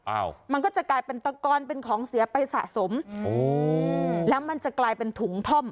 อ้าวมันก็จะกลายเป็นตะกอนเป็นของเสียไปสะสมโอ้แล้วมันจะกลายเป็นถุงท่อม